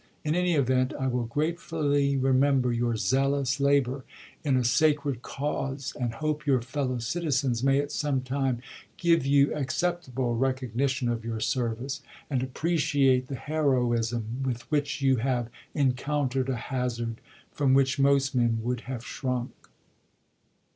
.. In any event I will gratefully remember your zealous labor in a sacred cause, and hope your fellow citizens may at some time give you acceptable recognition of your serv Dalteto ice, and appreciate the heroism with which you have en w }]?^!^ countered a hazard from which most men would have MS. shrunk.